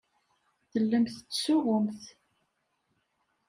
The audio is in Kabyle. Tellamt tettsuɣumt.